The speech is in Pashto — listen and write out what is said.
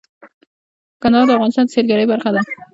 کندهار د افغانستان د سیلګرۍ برخه ده.